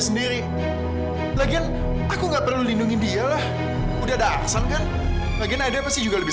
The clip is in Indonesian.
sendiri lagian aku nggak perlu lindungi dia lah udah ada asam kan lagi ada pasti juga lebih